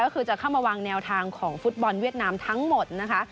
ก็คือจะเข้ามาวางแนวทางของฟุตบอลเวียดนามทั้งหมดนะคะ